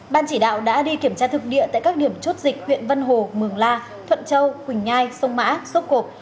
ban chỉ đạo đã đi kiểm tra thực địa tại các điểm chốt dịch huyện vân hồ mường la thuận châu quỳnh nhai sông mã sốt cộp